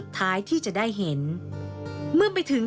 ทีมข่าวของเรานำเสนอรายงานพิเศษ